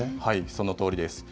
そのとおりです。